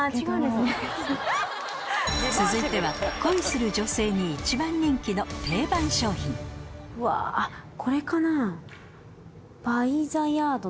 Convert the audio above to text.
続いては恋する女性に一番人気の定番商品うわこれかな？